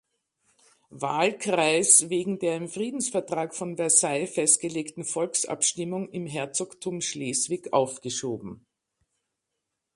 Wahlkreis wegen der im Friedensvertrag von Versailles festgelegten Volksabstimmung im Herzogtum Schleswig aufgeschoben.